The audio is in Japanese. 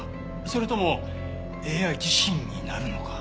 それともＡＩ自身になるのか。